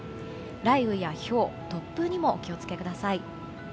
雷雨やひょう、突風にもお気を付けください。